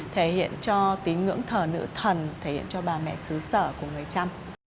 thể hiện cho tín ngưỡng thờ nữ thần thể hiện cho bà mẹ xứ sở của người trăm